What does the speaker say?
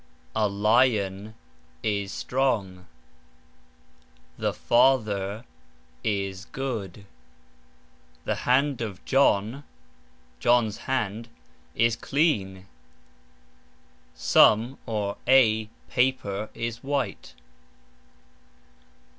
A lion is strong. The father is good. The hand of John (John's hand) is clean. ("Some", or, "a") paper is white.